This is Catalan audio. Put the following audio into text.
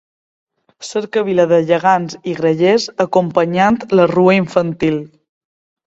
Cercavila de gegants i grallers acompanyant la rua infantil.